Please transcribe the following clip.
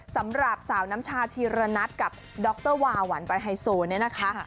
สำหรับสาวน้ำชาชีระนัทกับดรวาหวานใจไฮโซเนี่ยนะคะ